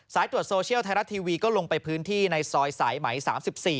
ตรวจโซเชียลไทยรัฐทีวีก็ลงไปพื้นที่ในซอยสายไหม๓๔